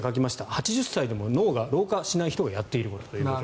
「８０歳でも脳が老化しない人がやっていること」。